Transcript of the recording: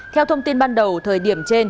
theo thông tin ban đầu thời điểm trên